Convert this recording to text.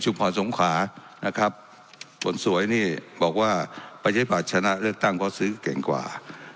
สงขานะครับคนสวยนี่บอกว่าประชาธิบัติชนะเลือกตั้งเพราะซื้อเก่งกว่า